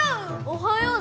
おそよう！